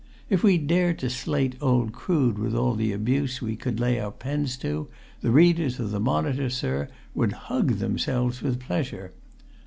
If we dared to slate old Crood with all the abuse we could lay our pens to, the readers of the Monitor, sir, would hug themselves with pleasure.